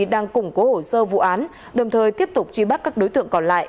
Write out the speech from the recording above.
đang củng cố hồ sơ vụ án đồng thời tiếp tục truy bắt các đối tượng còn lại